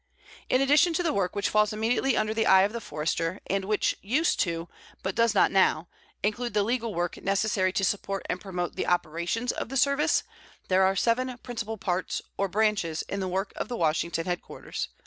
In addition to the work which falls immediately under the eye of the Forester, and which used to, but does not now, include the legal work necessary to support and promote the operations of the Service, there are seven principal parts, or branches, in the work of the Washington headquarters.